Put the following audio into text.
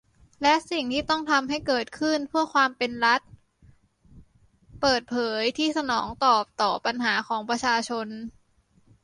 และสิ่งที่ต้องทำให้เกิดขึ้น เพื่อความเป็น รัฐเปิดเผย ที่สนองตอบต่อปัญหาของประชาชน